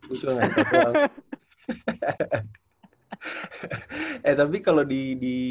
eh tapi kalau di